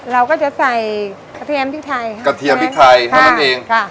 เราก็จะใส่กระเทียมพริกไทยค่ะกระเทียมพริกไทยเท่านั้นเองค่ะ